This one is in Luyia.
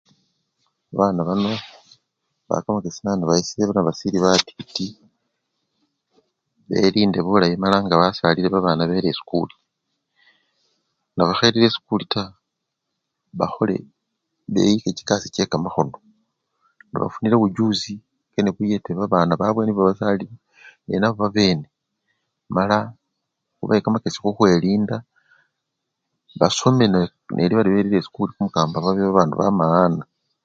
Babana bano mbawa kamakesi nandi nebayesyile nga basili batiti, belinde bulayi mala nga basalile babana bele esikuli nebakhelile esikuli taa, bakhole! beyike chikasi chekamakhono, nga bafunile uchuzi kene buyeta babana babwe nibo basalile nenabo babane mala khubawe kamakesi khukhwilinda basome neli bali belile esikuli kumukamba babe babandu bamaana.